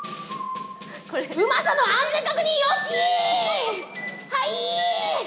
うまさの安全確認、よしー、はいー！